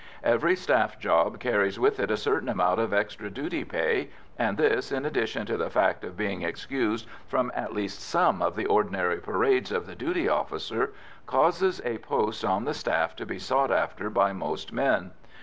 Every staff job carries with it a certain amount of extra duty pay, and this, in addition to the fact of being excused from at least some of the ordinary parades of the duty soldier, causes a post on the staff to be sought after by most men.